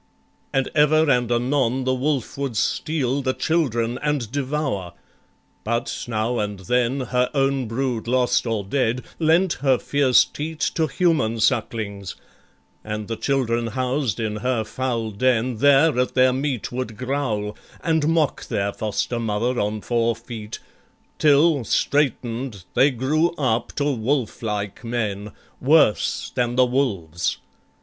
And ever and anon the wolf would steal The children and devour, but now and then, Her own brood lost or dead, lent her fierce teat To human sucklings; and the children housed In her foul den, there at their meat would growl, And mock their foster mother on four feet, Till, straightened, they grew up to wolf like men, Worse than the wolves.